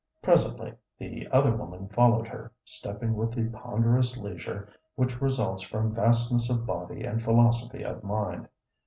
Presently the other woman followed her, stepping with the ponderous leisure which results from vastness of body and philosophy of mind.